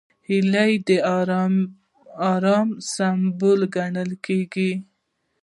هیلۍ د ارام سمبول ګڼل کېږي